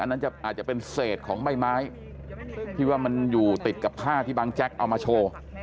น่าจะอาจจะเป็นเศษของใบไม้ที่ว่ามันอยู่ติดกับผ้าที่บางแจ๊กเอามาโชว์